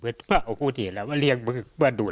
พี่ปะโยชน์จังคุ้มนี่ยังยัง